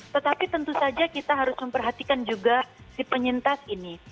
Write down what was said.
tetapi tentu saja kita harus memperhatikan juga si penyintas ini